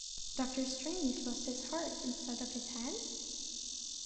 Doctor Strange Lost His Heart Instead of His Hands?